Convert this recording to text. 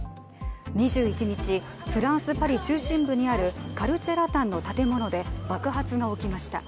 ２１日、フランス・パリ中心部にあるカルチェラタンの建物で爆発が起きました。